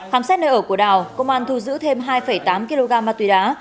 khám xét nơi ở của đào công an thu giữ thêm hai tám kg ma túy đá